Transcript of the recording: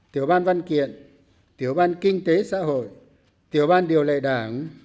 tiểu ban văn kiện tiểu ban kinh tế xã hội tiểu ban điều lệ đảng